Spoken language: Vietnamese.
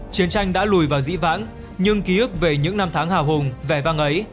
chiến tranh đã lùi vào dĩ vãng nhưng ký ức về những năm tháng hào hùng vẻ vang ấy